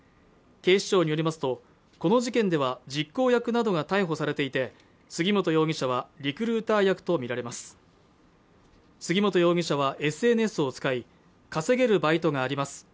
警視庁によりますとこの事件では実行役などが逮捕されていて杉本容疑者はリクルーター役と見られます杉本容疑者はＳＮＳを使い稼げるバイトがあります